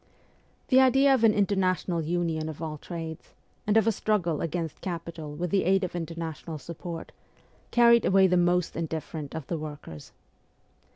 The idea of an international union of all trades, and of a struggle against capital with the aid of international support, FIRST JOURNEY ABROAD 56 carried away the most indifferent of the workers.